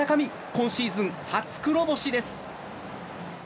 今シーズン初黒星です。